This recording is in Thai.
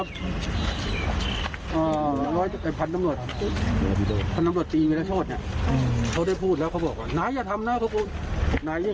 เขาก็บอกแล้วอะไรอย่างนี้